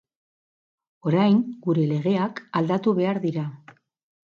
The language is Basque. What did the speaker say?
Orain gure legeak aldatu behar dira.